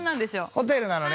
ホテルなのね